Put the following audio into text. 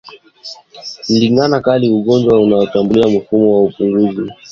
Ndigana kali ni ugonjwa unaoshambulia mfumo wa upumuaji wa ngombe